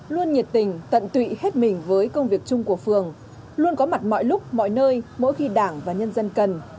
luôn nhiệt tình tận tụy hết mình với công việc chung của phường luôn có mặt mọi lúc mọi nơi mỗi khi đảng và nhân dân cần